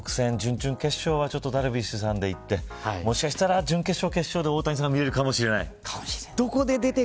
じゃあ韓国戦、準々決勝はダルビッシュさんでいってもしかしたら、準決勝、決勝で大谷さん、見れるかもしれない。